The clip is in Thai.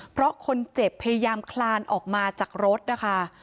เพราะคนเจ็บพยายามคลานออกมาจากรถนะคะ